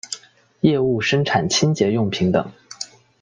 业务生产清洁用品等。